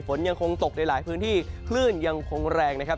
ฝนยังคงตกในหลายพื้นที่คลื่นยังคงแรงนะครับ